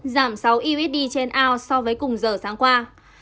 giảm sáu mươi năm triệu đồng trên lượng xuống sáu mươi năm triệu đồng trên lượng